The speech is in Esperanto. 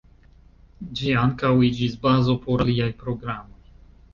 Ĝi ankaŭ iĝis bazo por aliaj programoj.